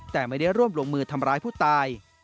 แต่ไม่ได้ร่วมลงมือทำร้ายผู้ตาย